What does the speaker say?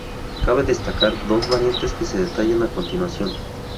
Cabe destacar dos variantes que se detallan a continuación.